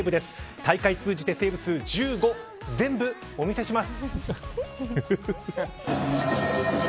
大会を通じてセーブ数は１５全部お見せします。